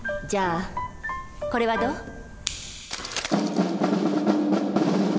じゃあこれはどう？